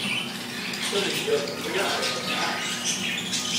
Taneggart-nni axir.